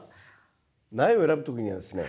苗を選ぶ時にはですね